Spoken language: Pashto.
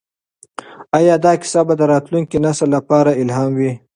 ایا دا کیسه به د راتلونکي نسل لپاره الهام وي؟